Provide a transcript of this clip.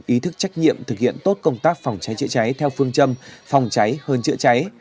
ý thức trách nhiệm thực hiện tốt công tác phòng cháy chữa cháy theo phương châm phòng cháy hơn chữa cháy